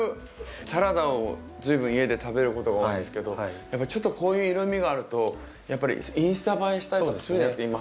サラダを随分家で食べることが多いんですけどやっぱりちょっとこういう色みがあるとやっぱりインスタ映えしたりとかするじゃないですか今。